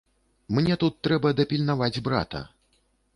Мне тут трэба дапільнаваць брата.